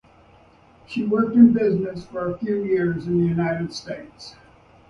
She worked in business for a few years in the United States.